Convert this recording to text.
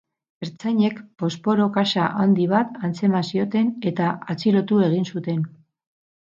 Ertzainek posporo kaxa handi bat antzeman zioten eta atxilotu egin zuten.